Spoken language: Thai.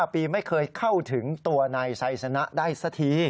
ปีไม่เคยเข้าถึงตัวนายไซสนะได้สักที